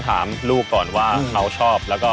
เคี่ยง